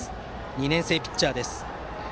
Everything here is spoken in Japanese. ２年生ピッチャーです。